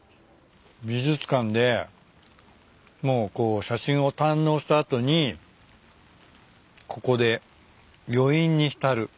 美術館でこう写真を堪能した後にここで余韻に浸る。